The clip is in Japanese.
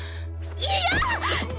嫌！